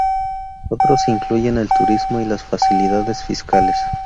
Otros incluyen el turismo y las facilidades fiscales.